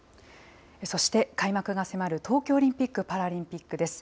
そして開幕が迫る東京オリンピック・パラリンピックです。